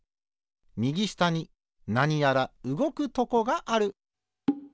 みぎしたになにやらうごくとこがある。